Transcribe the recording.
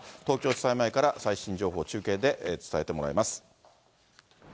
東京地裁前から最新情報を中継で伝えてもらいます。